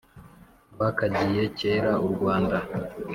rwakagiye kera u rwanda